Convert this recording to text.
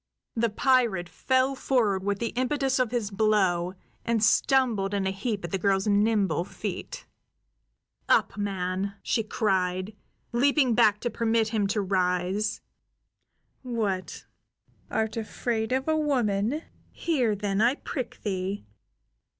The pirate fell forward with the impetus of his blow, and stumbled in a heap at the girl's nimble feet. "Up, man!" she cried, leaping back to permit him to rise. "What, art afraid of a woman? Here, then, I prick thee!